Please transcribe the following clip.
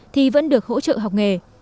thì vẫn được hỗ trợ học nghề